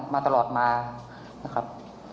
มาตลอดมานะครับ